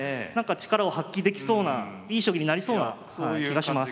力を発揮できそうないい将棋になりそうな気がします。